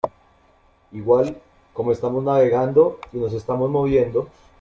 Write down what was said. igual, como estamos navegando y nos estamos moviendo